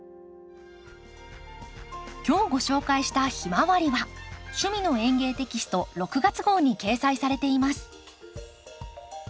今日ご紹介した「ヒマワリ」は「趣味の園芸」テキスト６月号に掲載されています。